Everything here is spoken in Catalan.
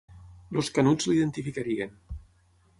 Els Canuts l'identificarien.